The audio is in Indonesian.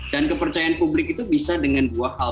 dan kepercayaan publik itu bisa dengan dua hal